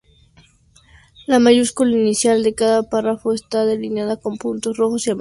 La mayúscula inicial de cada párrafo está delineada con puntos rojos y amarillos.